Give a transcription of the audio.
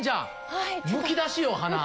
むき出しよ鼻。